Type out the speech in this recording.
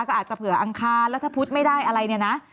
ก็อาจจะเผื่ออังคารแล้วถ้าพุทธไม่ได้อะไรเนี่ยนะ